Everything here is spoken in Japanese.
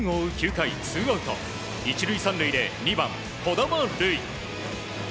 ９回ツーアウト１塁３塁で２番、樹神瑠生。